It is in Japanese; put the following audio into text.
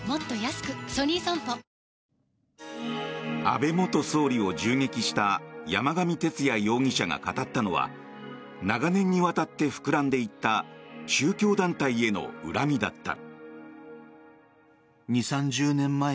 安倍元総理を銃撃した山上徹也容疑者が語ったのは長年にわたって膨らんでいった宗教団体への恨みだった。